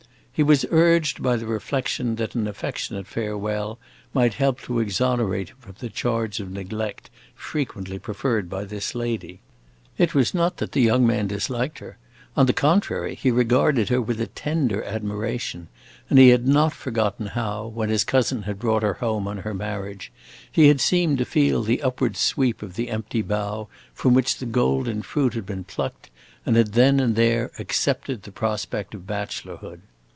He was urged by the reflection that an affectionate farewell might help to exonerate him from the charge of neglect frequently preferred by this lady. It was not that the young man disliked her; on the contrary, he regarded her with a tender admiration, and he had not forgotten how, when his cousin had brought her home on her marriage, he had seemed to feel the upward sweep of the empty bough from which the golden fruit had been plucked, and had then and there accepted the prospect of bachelorhood.